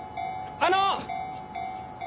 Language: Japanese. あの！